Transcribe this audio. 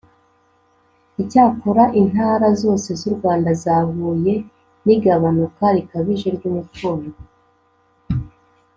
icyakora, intara zose z'u rwanda zahuye n'igabanuka rikabije ry'umutungo